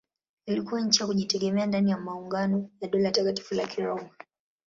Ilikuwa nchi ya kujitegemea ndani ya maungano ya Dola Takatifu la Kiroma.